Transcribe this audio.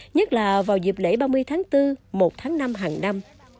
nhất là vào dịp lễ ba mươi tháng bốn một tháng năm hàng năm